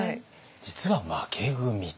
実は負け組と。